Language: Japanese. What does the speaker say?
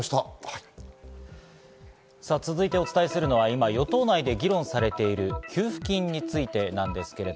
続いてお伝えするのは今、与党内で議論されている給付金についてです。